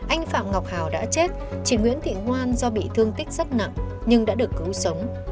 anh phạm ngọc hào đã chết chị nguyễn thị ngoan do bị thương tích rất nặng nhưng đã được cứu sống